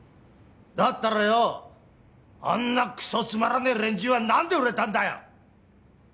だったらよあんなクソつまらねえ連中はなんで売れたんだよ！？